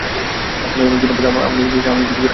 আপনাদের অনেক ধন্যবাদ, আমার মনে হচ্ছে আমিই পৃথিবীর রাজা।